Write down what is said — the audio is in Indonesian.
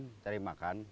terus dia mencari makanan